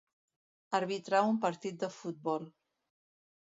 Arbitrar un partit de futbol.